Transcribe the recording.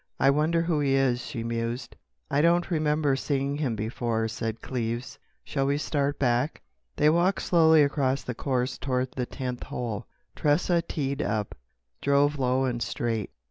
"I wonder who he was," she mused. "I don't remember seeing him before," said Cleves.... "Shall we start back?" They walked slowly across the course toward the tenth hole. Tressa teed up, drove low and straight.